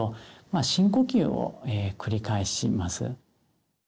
深呼吸を繰り返します。